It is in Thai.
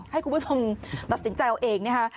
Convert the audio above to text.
ให้คุณผู้ชมตัดสินใจเอาเองนะคะ